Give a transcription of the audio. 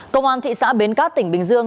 công an thị xã bến cát tỉnh bình dương